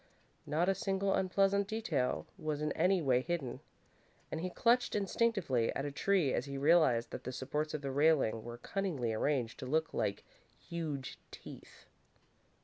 Not a single unpleasant detail was in any way hidden, and he clutched instinctively at a tree as he realised that the supports of the railing were cunningly arranged to look like huge teeth.